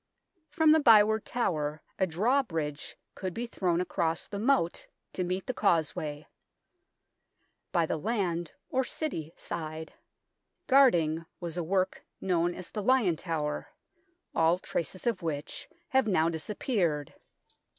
From the Byward Tower a drawbridge could be thrown across the moat to meet the causeway. By the land (or City) side, guarding, was a work known as the Lion Tower, all traces of which have now dis appeared.